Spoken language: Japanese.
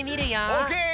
オッケー！